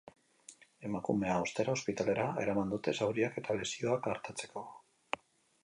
Emakumea, ostera, ospitalera eraman dute zauriak eta lesioak artatzeko.